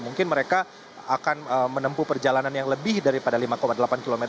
mungkin mereka akan menempuh perjalanan yang lebih daripada lima delapan km